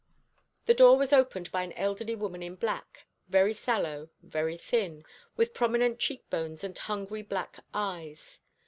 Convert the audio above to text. The door was opened by an elderly woman in black, very sallow, very thin, with prominent cheekbones and hungry black eyes.